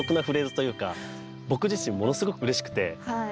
僕自身ものすごくうれしくて。